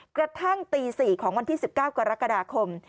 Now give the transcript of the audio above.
กระทั่งตี๔ของวันที่๑๙กรกฎาคม